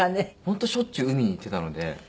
本当しょっちゅう海に行ってたので。